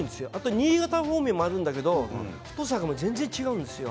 新潟方面もあるんですけど太さが全然違うんですよ。